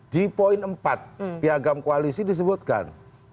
di poin empat piagam koalisi disebutkan